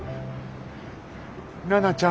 奈々ちゃん。